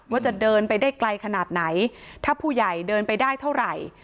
ว่าจะเดินไปได้ไกลขนาดไหนถ้าผู้ใหญ่เดินไปได้เท่าไหร่